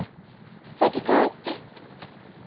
先帰って。